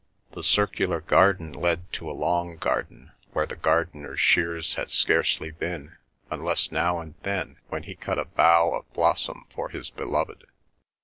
The circular garden led to a long garden, where the gardener's shears had scarcely been, unless now and then, when he cut a bough of blossom for his beloved.